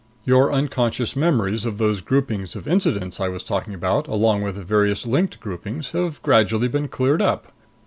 Your unconscious memories of those groupings of incidents I was talking about, along with various linked groupings, have gradually been cleared up.